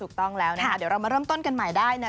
ถูกต้องแล้วนะคะเดี๋ยวเรามาเริ่มต้นกันใหม่ได้นะ